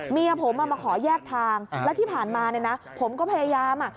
เมียผมมาขอแยกทางแล้วที่ผ่านมาเนี่ยนะผมก็พยายามอ่ะ